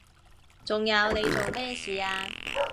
仲有你做咩事啊？